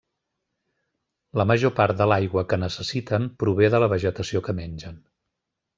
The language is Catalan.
La major part de l'aigua que necessiten prové de la vegetació que mengen.